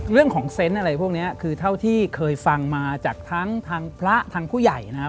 เรื่องของเซนต์อะไรพวกนี้คือเท่าที่เคยฟังมาจากทั้งพระทั้งผู้ใหญ่นะครับ